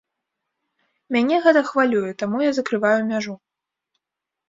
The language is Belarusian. Мяне гэта хвалюе, таму я закрываю мяжу.